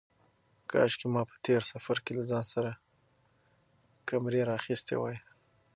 کاشکې ما په تېر سفر کې له ځان سره کمرې راخیستې وای.